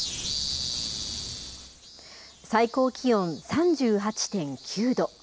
最高気温３８．９度。